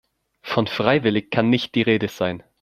Von freiwillig kann nicht die Rede sein.